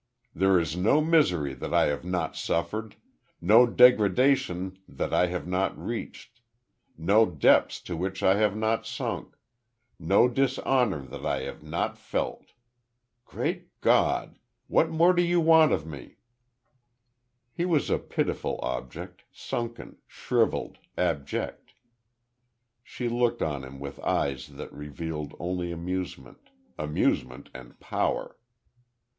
There is no misery that I have not suffered no degradation that I have not reached no depths to which I have not sunk no dishonor that I have not felt. Great God! What more do you want of me?" He was a pitiful object, sunken, shrivelled, abject. She looked on him with eyes that revealed only amusement amusement, and power.